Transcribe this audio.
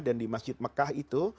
dan di masjid mekah itu